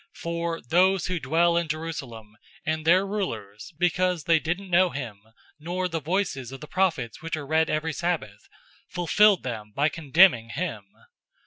013:027 For those who dwell in Jerusalem, and their rulers, because they didn't know him, nor the voices of the prophets which are read every Sabbath, fulfilled them by condemning him.